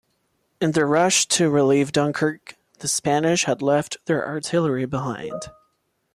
In their rush to relieve Dunkirk the Spanish had left their artillery behind.